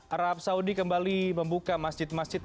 arab saudi kembali membuka masjid masjid